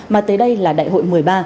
mà tới đây là đại hội một mươi ba